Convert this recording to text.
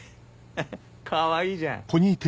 かわいいじゃん。